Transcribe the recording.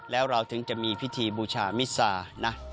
แล้วเราถึงจะมีพิธีบูชามิซานะ